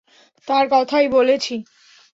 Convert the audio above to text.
তার কথাই বলেছি।